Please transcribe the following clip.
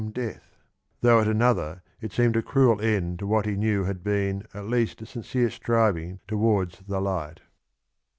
c de^ th, though at CLnolher it seemed a cruel end t.0 v/hat he knew had been at least a sinc ^ie strivir.g to t/ards d:e light.